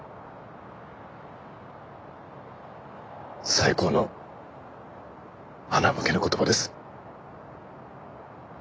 最高のはなむけの言葉です。